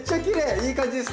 いい感じですね。